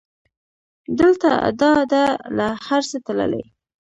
دلته ادا ده له هر څه تللې